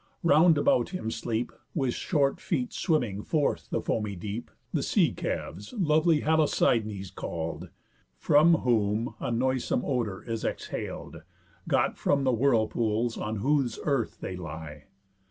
Round about him sleep (With short feet swimming forth the foamy deep) The sea calves, lovely Halosydnes call'd, From whom a noisome odour is exhal'd, Got from the whirl pools, on whose earth they lie.